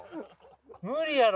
無理やろ。